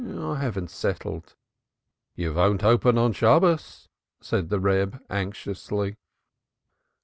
"I haven't settled." "You won't open on Shabbos?" said the Reb anxiously.